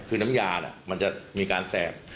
คือน้ำยามันจะมีการแสบ